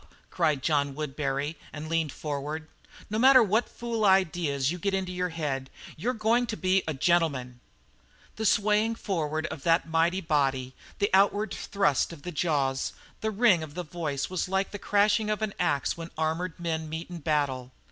cried John Woodbury, and leaned forward, "no matter what fool ideas you get into your head you're going to be a gentleman!" The swaying forward of that mighty body, the outward thrust of the jaws, the ring of the voice, was like the crashing of an ax when armoured men meet in battle.